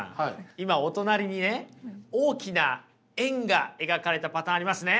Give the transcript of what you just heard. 今お隣にね大きな円が描かれたパターンありますね。